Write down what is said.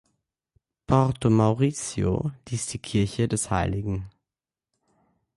Porto Maurizio ließ die Kirche des Hl.